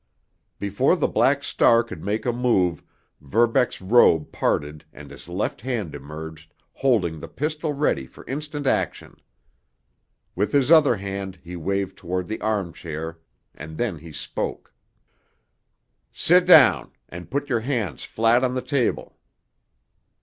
Before the Black Star could make a move Verbeck's robe parted and his left hand emerged, holding the pistol ready for instant action. With his other hand he waved toward the armchair, and then he spoke: "Sit down! And put your hands flat on the table!"